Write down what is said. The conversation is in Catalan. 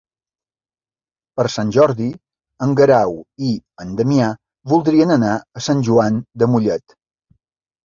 Per Sant Jordi en Guerau i en Damià voldrien anar a Sant Joan de Mollet.